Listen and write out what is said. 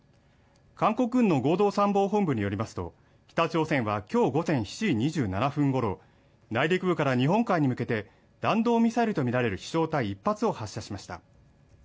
韓国軍の合同参謀本部によりますと北朝鮮はきょう午前７時２７分ごろ内陸部から日本海に向けて弾道ミサイルとみられる飛翔体１発を発射しました